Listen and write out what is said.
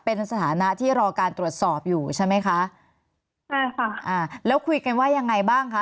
เป็นสถานะที่รอการตรวจสอบอยู่ใช่ไหมคะใช่ค่ะอ่าแล้วคุยกันว่ายังไงบ้างคะ